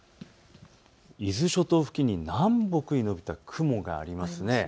伊豆諸島付近に南北に延びた雲があります。